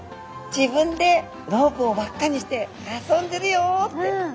自分でロープを輪っかにして遊んでるよって。